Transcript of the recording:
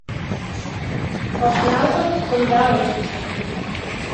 Окна-влак кумда улыт.